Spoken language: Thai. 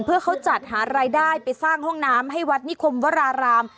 เพื่อเขาจัดหารายได้ไปสร้างห้องน้ำให้วัดนิคมวราราม